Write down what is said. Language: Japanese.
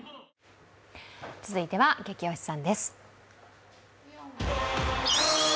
続いてはゲキ推しさんです。